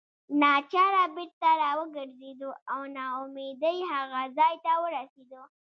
ناچاره بیرته راوګرځېدو او نا امیدۍ هغه ځای ته ورسېدو.